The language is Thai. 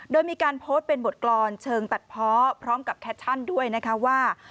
โดยมีการโพสต์เป็นบทกรรมเชิงตัดเพาะพร้อมกับแคปชั่นด้วยนะคะว่า